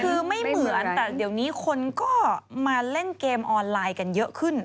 คือไม่เหมือนแต่เดี๋ยวนี้คนก็มาเล่นเกมออนไลน์กันเยอะขึ้น